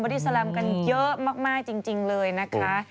ดี้แลมกันเยอะมากจริงเลยนะคะ